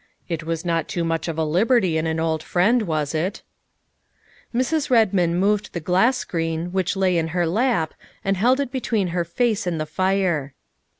" It was not too much of a liberty in an old friend, was it?" Mrs. Redmond moved the glass screen which lay in her lap and held it between her face and the fire.